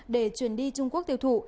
để chuyển đi trung quốc tiêu thụ